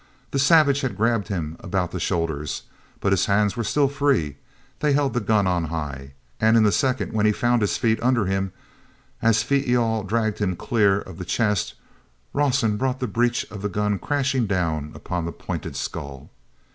The savage had grabbed him about the shoulders, but his hands were still free; they held the gun on high. And in the second when he found his feet under him, as Phee e al dragged him clear of the chest, Rawson brought the breech of the gun crashing down upon the pointed skull.